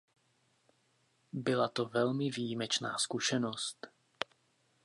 Byla to velmi výjimečná zkušenost.